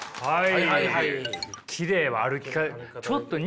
はい。